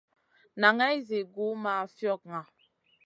Naŋay zi gu ma fiogŋa.